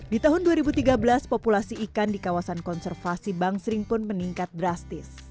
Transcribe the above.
di tahun dua ribu tiga belas populasi ikan di kawasan konservasi bang sering pun meningkat drastis